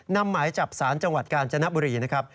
หมายจับสารจังหวัดกาญจนบุรีนะครับ